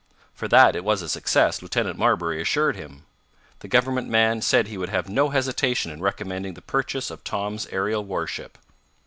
For that it was a success, Lieutenant Marbury assured him. The government man said he would have no hesitation in recommending the purchase of Tom's aerial warship.